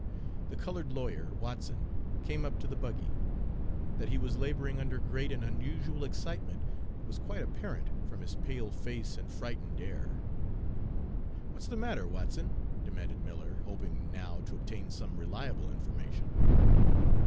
The colored lawyer, Watson, came up to the buggy. That he was laboring under great and unusual excitement was quite apparent from his pale face and frightened air. "What's the matter, Watson?" demanded Miller, hoping now to obtain some reliable information.